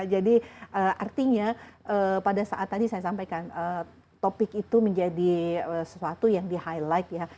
jadi artinya pada saat tadi saya sampaikan topik itu menjadi sesuatu yang di highlight ya